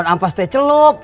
tuh tuh tuh tuh tuh